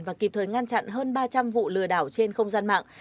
và kịp thời ngăn chặn hơn ba trăm linh vụ lừa đảo trên không gian mạng